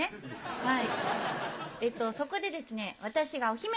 はい。